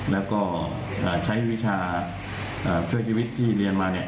และก็ใช้วิชาเพื่อชีวิตที่เรียนมา